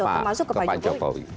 termasuk ke pak jokowi